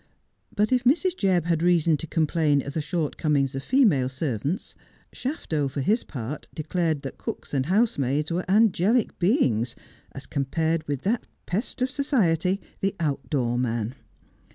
But if Mrs. Jebb had reason to complain of the shortcom ings of female servants, Shafto, for his part, declared that cooks and housemaids were angelic beings as compared with that pest of society, the outdoor man.